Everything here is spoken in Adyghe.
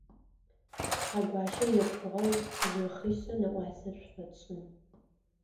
Шъхьэгуащэ епхыгъэу зы хъишъэ нэӏуасэ шъуфэтшӏын.